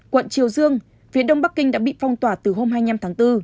quận triều dương phía đông bắc kinh đã bị phong tỏa từ hôm hai mươi năm tháng bốn